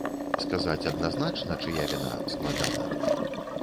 Сказаць адназначна, чыя віна, складана.